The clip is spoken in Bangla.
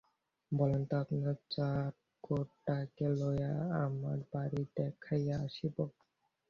বলেন তো আপনার চাকরটাকে লইয়া আমার বাড়ি দেখাইয়া আসিব।